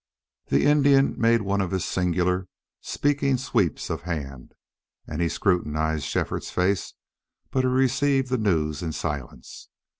The Indian made one of his singular speaking sweeps of hand, and he scrutinized Shefford's face, but he received the news in silence.